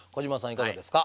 いかがですか？